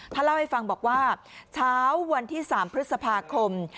เล่าให้ฟังบอกว่าเช้าวันที่๓พฤษภาคม